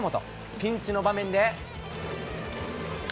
ピンチの場面で。